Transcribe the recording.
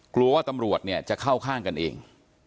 กลัวว่าตำรวจเนี่ยจะเข้าข้างกันเอง